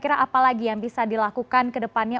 apalagi yang bisa dilakukan kedepannya